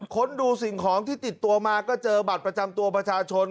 ค้นดูสิ่งของที่ติดตัวมาก็เจอบัตรประจำตัวประชาชน